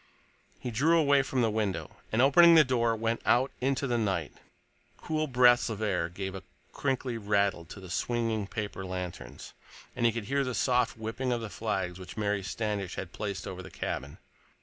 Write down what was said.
He drew away from the window and, opening the door, went out into the night. Cool breaths of air gave a crinkly rattle to the swinging paper lanterns, and he could hear the soft whipping of the flags which Mary Standish had placed over his cabin.